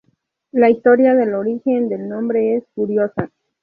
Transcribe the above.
La historia del origen del nombre es curiosa.